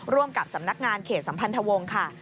ร่วมกับสำนักงานเขตสัมพันธวงศ์ค่ะ